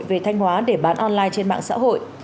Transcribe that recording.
về thanh hóa để bán online trên mạng xã hội